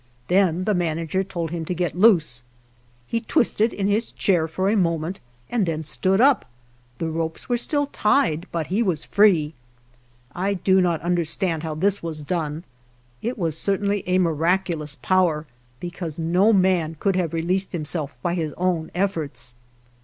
Then the manager told him to get loose. He twisted in his chair for a moment, and then stood up ; the ropes were still tied, but he was free. I do not understand how this was done. It was certainly a miraculous power, because no man could have released himself by his own efforts.